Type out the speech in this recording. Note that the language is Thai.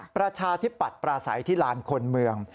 ประชาธิปัตย์ปราศัยที่ลานคนเมือง